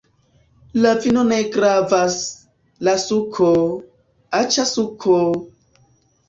La vino ne gravas! la suko! aĉa suko!